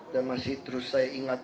dan masih terus saya ingat